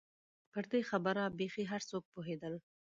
پر دې خبره بېخي هر څوک پوهېدل.